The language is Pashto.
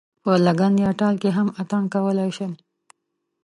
په لګن یا تال کې هم اتڼ کولای شم.